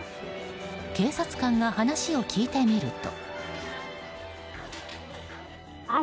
警察官が話を聞いてみると。